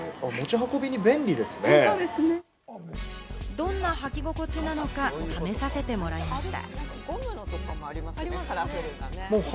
どんな履き心地なのか、試させてもらいました。